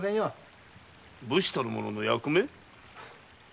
武士たる者の役目？